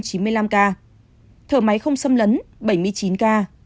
thợ máy không xâm lấn bảy mươi chín ca